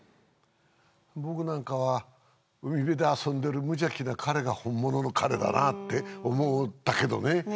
僕なんかは海辺で遊んでる無邪気な彼が本物の彼だなって思うんだけどね